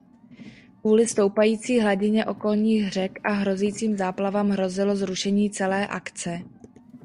Kvůli stoupající hladině okolních řek a hrozícím záplavám hrozilo zrušení celé akce.